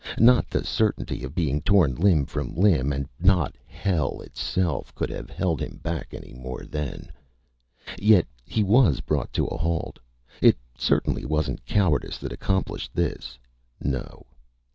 Not the certainty of being torn limb from limb, and not hell, itself, could have held him back, anymore, then. Yet he was brought to a halt. It certainly wasn't cowardice that accomplished this. No.